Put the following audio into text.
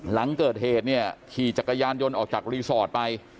หลังเกิดเหตุเนี่ยขี่จักรยานยนต์ออกจากรีสอร์ทไป